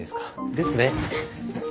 ですね。